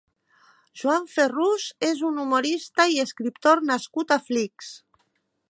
Joan Ferrús és un humorista i escriptor nascut a Flix.